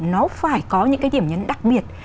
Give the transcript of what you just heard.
nó phải có những cái điểm nhấn đặc biệt